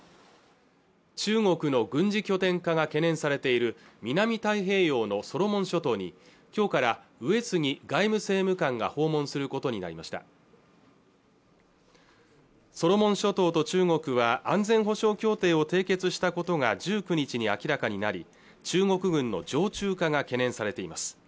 中国の軍事拠点化が懸念されている南太平洋のソロモン諸島に今日から上杉外務政務官が訪問することになりましたソロモン諸島と中国は安全保障協定を締結したことが１９日に明らかになり中国軍の常駐化が懸念されています